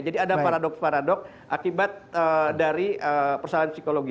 jadi ada paradoks paradoks akibat dari persalahan psikologi